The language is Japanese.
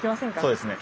そうですね。